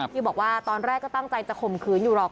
ที่บอกว่าตอนแรกก็ตั้งใจจะข่มขืนอยู่หรอก